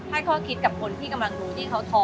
ให้ข้อคิดกับคนที่กำลังดูที่เขาท้อ